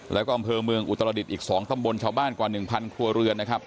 แล้วก็อำเภอเมืองอุตรดิษฐ์อีก๒ตำบลชาวบ้านกว่า๑๐๐ครัวเรือนนะครับ